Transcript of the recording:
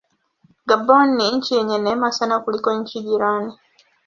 Gabon ni nchi yenye neema sana kuliko nchi jirani.